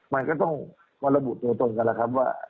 มันก็ต้องมาระบุตรงกันแล้วครับว่า